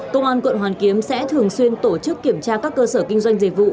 công an quận hoàn kiếm sẽ thường xuyên tổ chức kiểm tra các cơ sở kinh doanh dịch vụ